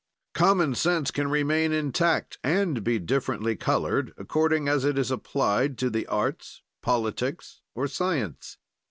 Common sense can remain intact and be differently colored, according as it is applied to the arts, politics, or science.